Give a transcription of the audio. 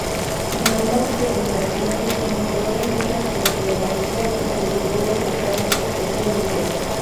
En ambas presentaciones mostró la misma coreografía y se llevó los aplausos del público.